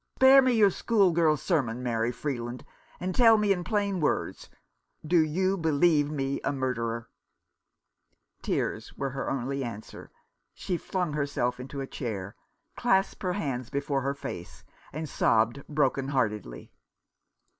Spare me your schoolgirl sermon, Mary Freeland, and tell me in plain words, do you believe me a murderer ?" Tears were her only answer. She flung herself into a chair, clasped her hands before her face, and sobbed broken heartedly.